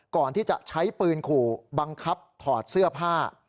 ก่อนที่จะใช้ปืนขู่บังคับถอดเสื้อผ้า